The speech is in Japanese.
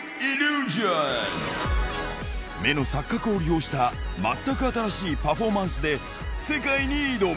目の錯覚を利用した全く新しいパフォーマンスで、世界に挑む。